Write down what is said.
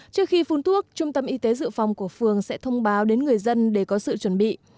trước khi phun thuốc trung tâm y tế dự phòng của phường sẽ thông báo đến người dân để có sự chuẩn bị